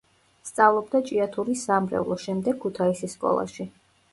სწავლობდა ჭიათურის სამრევლო, შემდეგ ქუთაისის სკოლაში.